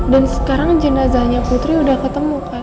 dan sekarang jenazahnya putri udah ketemu kan